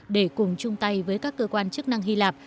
để cùng chung tay với các cơ quan chức năng hy lạp